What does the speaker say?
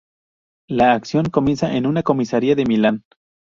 La acción comienza en una comisaría de Milán.